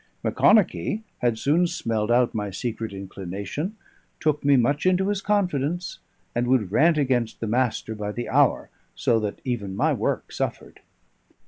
Macconochie had soon smelled out my secret inclination, took me much into his confidence, and would rant against the Master by the hour, so that even my work suffered.